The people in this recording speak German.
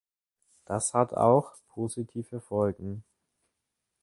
Das hat auch positive Folgen.